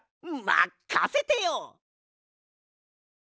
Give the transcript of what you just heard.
まっかせてよ！